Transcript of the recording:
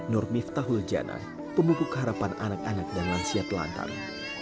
nur miftahul jannah pemukul keharapan anak anak dan lansia telantang